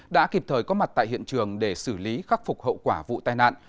đã kịp thời có mặt tại hiện trường để xử lý khắc phục hậu quả vụ tai nạn